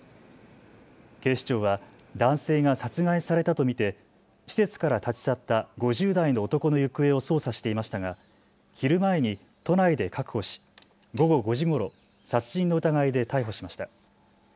警視庁は男性が殺害されたと見て施設から立ち去った５０代の男の行方を捜査していましたが昼前に都内で確保し、午後５時ごろ、殺人の疑いで逮捕しました。